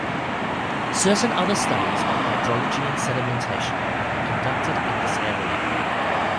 Certain other studies of hydrology and sedimentation have been conducted in this area.